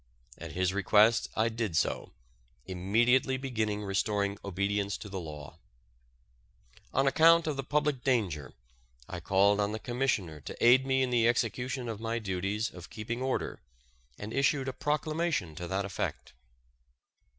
At his request I did so, immediately beginning restoring obedience to the law. On account of the public danger, I called on the Commissioner to aid me in the execution of my duties of keeping order, and issued a proclamation to that effect.